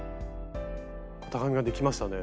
型紙ができましたね。